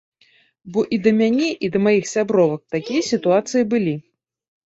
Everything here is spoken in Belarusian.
Бо і да мяне, і да маіх сябровак такія сітуацыі былі.